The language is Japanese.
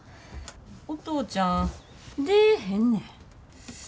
お父ちゃん出ぇへんねん。